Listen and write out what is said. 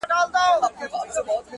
هغې کافري په ژړا کي راته وېل ه،